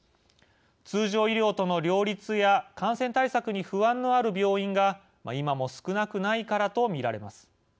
通常医療との両立や感染対策に不安のある病院が今も少なくないからと見られます。